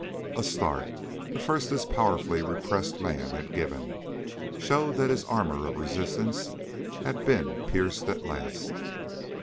A start, the first this powerfully repressed man had given, showed that his armor of resistance had been pierced at last.